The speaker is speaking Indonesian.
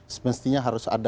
semestinya harus ada